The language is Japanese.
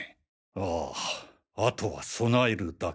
あああとは備えるだけ。